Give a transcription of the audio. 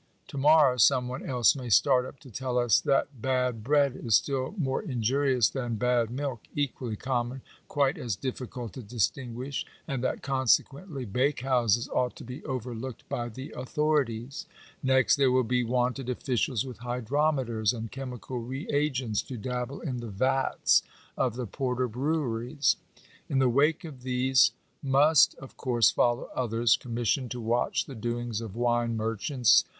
To morrow some one else may start up to tell us that bad bread is still more injurious than bad milk, equally common, quite as diffi Digitized by VjOOQIC NATIONAL EDUCATION. 387 cult to distinguish, and that, consequently, bakehouses ought to be overlooked by the authorities. Next there will be wanted officials with hydrometers and ohemical re agents, to dabble in the vats of the porter breweries. In the wake of these must, of course, follow others, commissioned to watch the doings of wine merchants.